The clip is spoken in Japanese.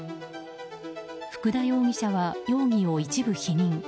福田容疑者は容疑を一部否認。